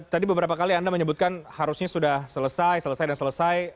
tadi beberapa kali anda menyebutkan harusnya sudah selesai selesai dan selesai